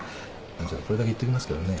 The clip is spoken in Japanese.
これだけ言っときますけどね。